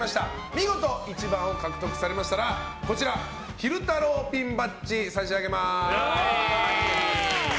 見事１番を獲得されましたら昼太郎ピンバッジ差し上げます。